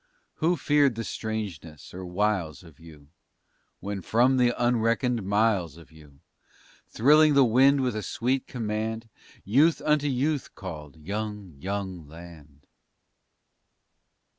Who feared the strangeness or wiles of you When from the unreckoned miles of you, Thrilling the wind with a sweet command, Youth unto youth called, young, young land?